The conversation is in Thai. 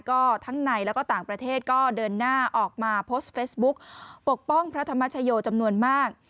ก็ทั้งในแล้วก็ต่างประเทศก็เดินหน้าออกมาโพสต์เฟซบุ๊กปกป้องพระธรรมชโยจำนวนมาก